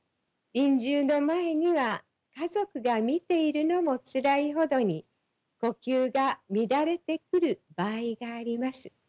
臨終の前には家族が見ているのもつらいほどに呼吸が乱れてくる場合があります。